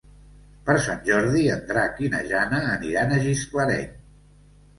Per Sant Jordi en Drac i na Jana aniran a Gisclareny.